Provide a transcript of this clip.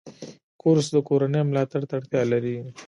کورس د کورنۍ ملاتړ ته اړتیا لري.